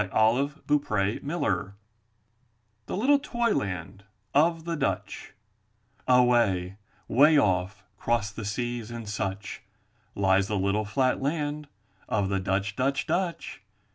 333 MY BOOK HOUSE THE LITTLE TOY LAND OF THE DUTCH Away, 'way off 'cross the seas and such Lies the little flat land of the Dutch, f Dutch. Dutch!